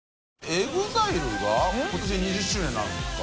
ＥＸＩＬＥが今年２０周年になるんですか？